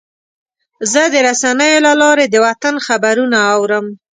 زه د رسنیو له لارې د وطن خبرونه اورم.